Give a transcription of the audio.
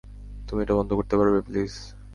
তুমি কি এটা বন্ধ করতে পারবে, প্লিজ?